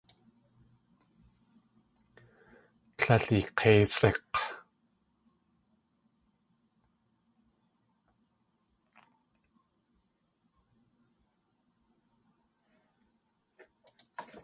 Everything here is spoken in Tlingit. Líl eek̲éisʼik̲!